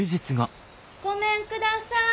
ごめんください！